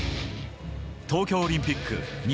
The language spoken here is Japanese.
東京オリンピック２００